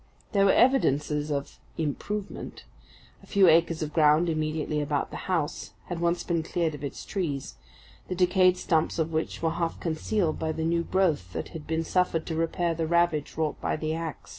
There were evidences of "improvement" a few acres of ground immediately about the house had once been cleared of its trees, the decayed stumps of which were half concealed by the new growth that had been suffered to repair the ravage wrought by the ax.